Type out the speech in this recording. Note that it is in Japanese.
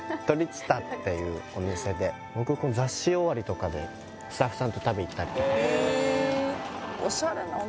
つたっていうお店で僕雑誌終わりとかでスタッフさんと食べ行ったりとかオシャレなお店